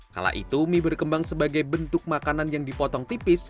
kala itu mie berkembang sebagai bentuk makanan yang dipotong tipis